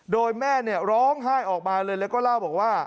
โดยแม่เนี่ยร้องไห้ออกมาเลยแล้วก็เล่าบอกว่า